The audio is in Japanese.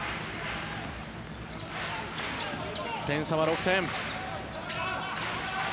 点差は６点。